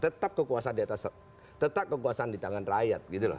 tetap kekuasaan di atas tetap kekuasaan di tangan rakyat